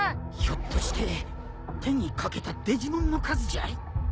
ひょっとして手に掛けたデジモンの数じゃい？